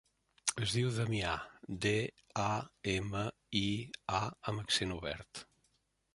Es diu Damià: de, a, ema, i, a amb accent obert.